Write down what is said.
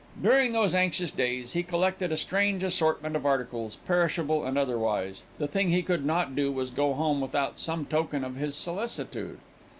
During those anxious days, he collected a strange assortment of articles, perishable and otherwise. The thing he could not do was to go home without some token of his solicitude.